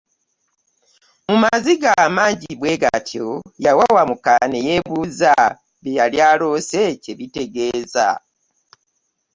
Mu maziga amangi bwe gatyo yawawamuka ne yeebuuza bye yali aloose kye bitegeeza.